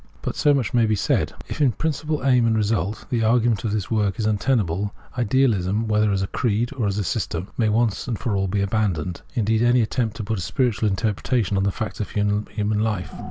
'' But so much may be said :— if, ''n principle aim and result, the argument of this work is untenable, idealism, whether as a creed or a systeri, may be once for all abandoned — and indeed any attempt to put a spiritual interpretation upon the facts of human life.